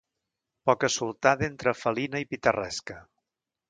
Poca-soltada entre felina i pitarresca.